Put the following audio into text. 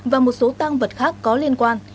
và số tăng vật khác có liên quan